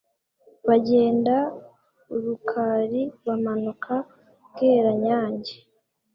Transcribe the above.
Bagenda Urukari bamanuka Bweranyange